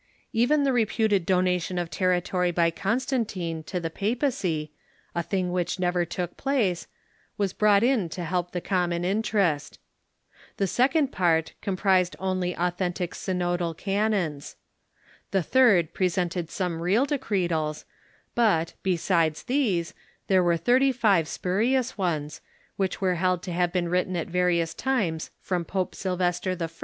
Even the reputed donation of territory by Constantine to the papacy — a thing which never took place — was brought in to help the common interest. The second part comprised only authentic synodal canons. The third presented some real De cretals, but, besides these, there were thirty five spurious ones, which were held to have been written at various times from Pope Sylvester I.